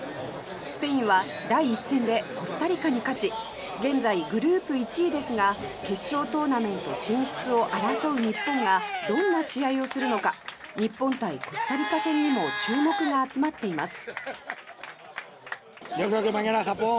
スペインは第１戦でコスタリカに勝ち現在グループ１位ですが決勝トーナメント進出を争う日本がどんな試合をするのか日本対コスタリカ戦にも注目が集まっています。